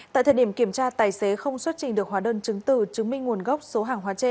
tại thời điểm kiểm tra tài xế không xuất trình được hóa đơn chứng từ chứng minh nguồn gốc số hàng hóa trên